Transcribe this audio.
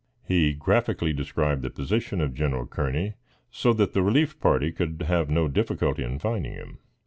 He graphically described the position of Gen. Kearney, so that the relief party could have no difficulty in finding him.